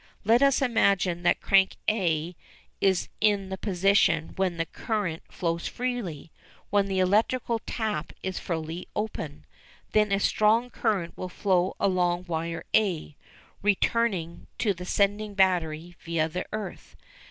Let us imagine that crank a is in the position when the current flows freely when the electrical "tap" is fully open; then a strong current will flow along wire a, returning to the sending battery via the earth.